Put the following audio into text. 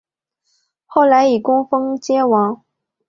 后来以功封偕王。